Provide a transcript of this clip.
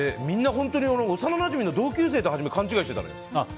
みんな本当に幼なじみの同級生って初め、勘違いしてたのよ。